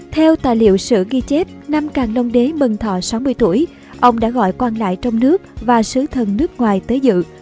theo tài liệu sử ghi chép năm càng đông đế mừng thọ sáu mươi tuổi ông đã gọi quan lại trong nước và xứ thần nước ngoài tới dự